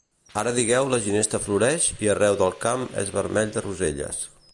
Ara digueu la ginesta floreix i arreu del camp és vermell de roselles